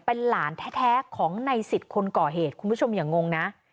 เป็นหลานแท้ของในสิทธิ์คนก่อเหตุคุณผู้ชมอย่างงงนะ